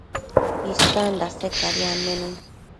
isan dase cadi annenun